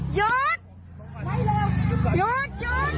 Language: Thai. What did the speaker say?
หยุดหยุด